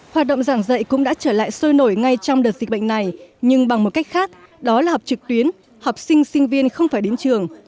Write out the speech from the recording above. hoạt động giảng dạy cũng đã trở lại sôi nổi ngay trong đợt dịch bệnh này nhưng bằng một cách khác đó là học trực tuyến học sinh sinh viên không phải đến trường